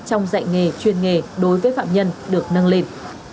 trong dạy nghề chuyên nghề đối với phạm nhân được nâng lên